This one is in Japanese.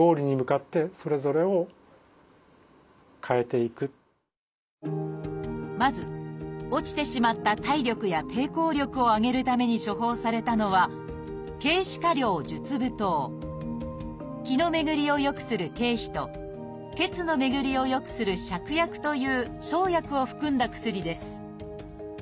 まずまず落ちてしまった体力や抵抗力を上げるために処方されたのは「気」の巡りをよくする桂皮と「血」の巡りをよくする芍薬という生薬を含んだ薬です。